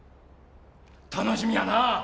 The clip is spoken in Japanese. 楽しみやなぁ！